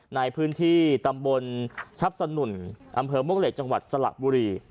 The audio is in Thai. ในพื้นที่ตำบลชับสนุนอำเภอมวกเหล็กจังหวัดสระบุรี